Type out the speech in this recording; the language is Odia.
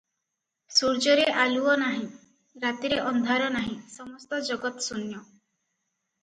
ସୂର୍ଯ୍ୟରେ ଆଲୁଅ ନାହିଁ, ରାତିରେ ଅନ୍ଧାର ନାହିଁ, ସମସ୍ତ ଜଗତ୍ଶୂନ୍ୟ!